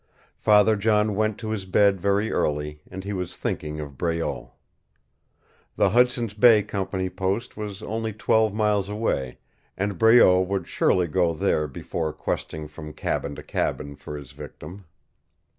Father John went to his bed very early, and he was thinking of Breault. The Hudson's Bay Company post was only twelve miles away, and Breault would surely go there before questing from cabin to cabin for his victim.